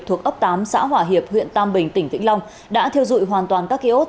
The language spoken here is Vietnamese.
thuộc ấp tám xã hòa hiệp huyện tam bình tỉnh vĩnh long đã thiêu dụi hoàn toàn các kiosk